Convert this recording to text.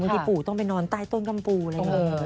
ที่ปู่ต้องไปนอนใต้ต้นกำปูอะไรอย่างนี้